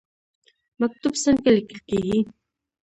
مکتوب څنګه لیکل کیږي؟